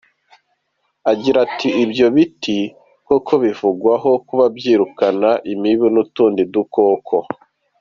Agira ati “Ibyo biti koko bivugwaho kuba byirukana imibu n’utundi dukoko.